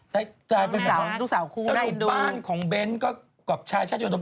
มันถึงยุคที่เรามาอ่านข่าวเพื่อน